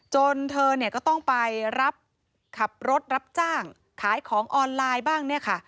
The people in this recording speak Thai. เธอเนี่ยก็ต้องไปรับขับรถรับจ้างขายของออนไลน์บ้างเนี่ยค่ะ